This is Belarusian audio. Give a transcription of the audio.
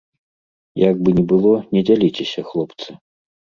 Як бы ні было, не дзяліцеся, хлопцы.